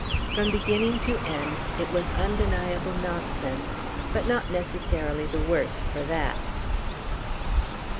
From beginning to end, it was undeniable nonsense, but not necessarily the worse for that.